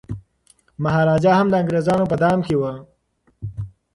مهاراجا هم د انګریزانو په دام کي و.